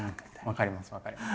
分かります分かります。